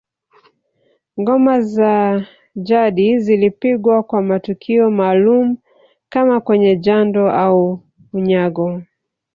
Ngoma za jadi zilipigwa kwa matukio maalum kama kwenye jando au unyago